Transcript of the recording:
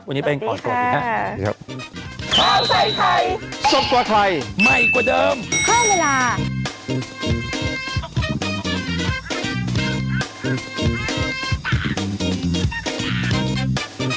วันนี้เป็นของสวัสดีค่ะ